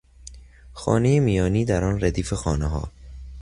خانهی میانی در آن ردیف خانهها